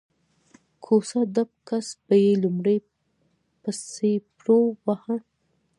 کوڅه ډب کس به یې لومړی په څپېړو واهه